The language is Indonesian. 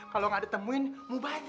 kalau gak ditemuin mau bandir nih